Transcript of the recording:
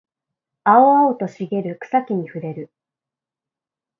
青々と茂る草木に触れる